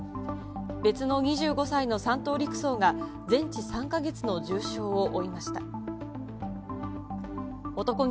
別の２５歳の３等陸曹が、全治３か月の重傷を負いました。